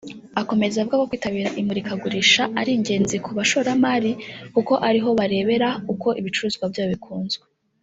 Akomeza avuga ko kwitabira imurikagurisha ari ingenzi ku bashoramari kuko ari ho barebera uko ibicuruzwa byabo bikunzwe